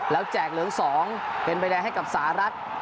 แล้วแจกเหลือง๒เป็นใบแดงให้กับสหรัฐ